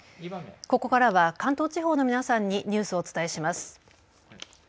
ここからは関東地方の皆さんにニュースをお伝えします。